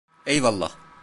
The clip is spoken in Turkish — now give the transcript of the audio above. Eyvallah.